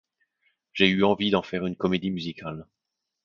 J'ai eu envie d'en faire une comédie musicale.